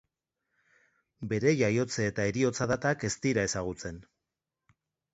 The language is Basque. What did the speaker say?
Bere jaiotze eta heriotza datak ez dira ezagutzen.